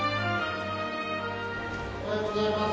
おはようございます。